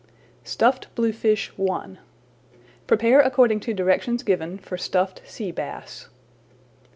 STUFFED BLUEFISH I Prepare according to directions given for Stuffed Sea Bass.